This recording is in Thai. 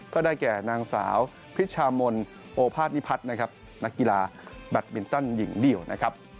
ก็ได้แก่นางสาวพิษชามนโอภาษณิพัฒน์นักกีฬาแบตมินตัลหญิงดีเด่น